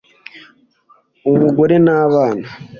umugore n’abana